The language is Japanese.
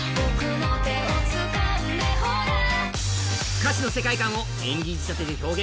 歌詞の世界観を、演技仕立てで表現。